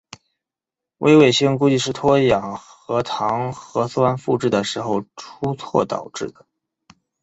微卫星估计是脱氧核糖核酸复制的时候出错导致的。